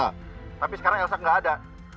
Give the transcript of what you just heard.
tapi sekarang elsa nggak ada